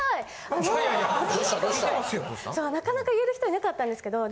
なかなか言える人いなかったんですけど。